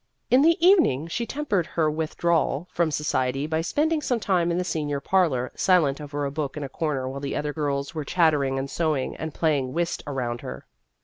In the evening she tempered her with drawal from society by spending some time in the senior parlor, silent over a book in a corner, while the other girls were chattering and sewing and playing whist around her.